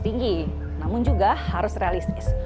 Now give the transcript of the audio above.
tinggi namun juga harus realistis